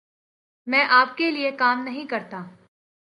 میں آپ کے لئے کام نہیں کرتا۔